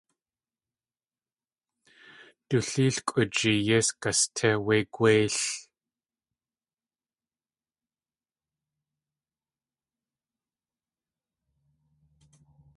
I léelkʼu jeeyís gastí wé gwéil!